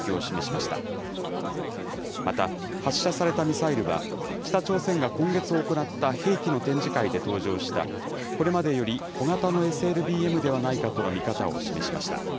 また発射されたミサイルは、北朝鮮が今月行った兵器の展示会で登場した、これまでより小型のＳＬＢＭではないかとの見方を示しました。